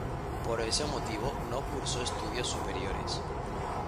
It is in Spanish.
Por ese motivo no cursó estudios superiores.